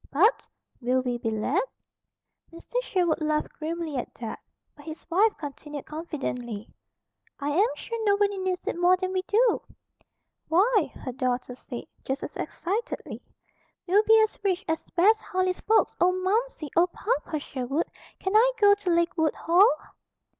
"But, will we be let?" Mr. Sherwood laughed grimly at that; but his wife continued confidently: "I am sure nobody needs it more than we do." "Why!" her daughter said, just as excitedly, "we'll be as rich as Bess Harley's folks. Oh, Momsey! Oh, Papa Sherwood! Can I go to Lakewood Hall?"